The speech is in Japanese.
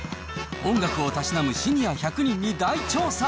音楽をたしなむシニア１００人に大調査。